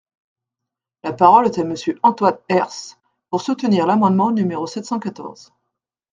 La parole est à Monsieur Antoine Herth, pour soutenir l’amendement numéro sept cent quatorze.